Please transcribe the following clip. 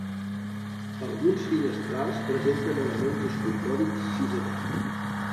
Alguns finestrals presenten elements escultòrics cisellats.